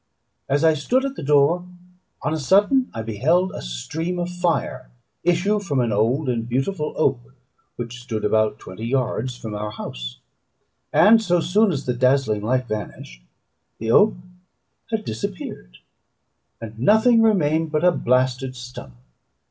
As I stood at the door, on a sudden I beheld a stream of fire issue from an old and beautiful oak, which stood about twenty yards from our house; and so soon as the dazzling light vanished, the oak had disappeared, and nothing remained but a blasted stump.